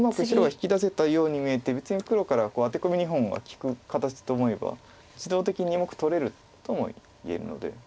引き出せたように見えて別に黒からアテコミ２本が利く形と思えば自動的に２目取れるとも言えるので。